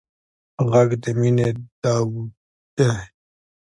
غږ د مینې داوود دی